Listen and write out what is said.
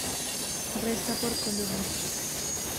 Resta por columna.